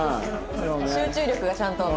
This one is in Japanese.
集中力がちゃんと。